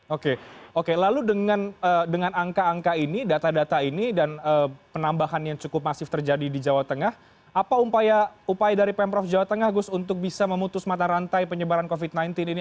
oke oke lalu dengan angka angka ini data data ini dan penambahan yang cukup masif terjadi di jawa tengah apa upaya dari pemprov jawa tengah gus untuk bisa memutus mata rantai penyebaran covid sembilan belas ini